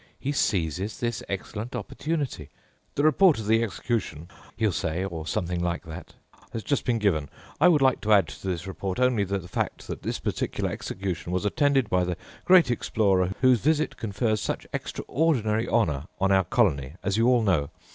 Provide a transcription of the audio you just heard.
He seizes this excellent opportunity. 'The report of the execution,' he'll say, or something like that, 'has just been given. I would like to add to this report only the fact that this particular execution was attended by the great explorer whose visit confers such extraordinary honour on our colony, as you all know.